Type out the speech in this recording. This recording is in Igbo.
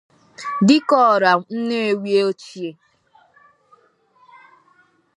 Dikeọra Nnewi Ochie